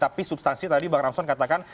tapi substansi tadi bang ramson katakan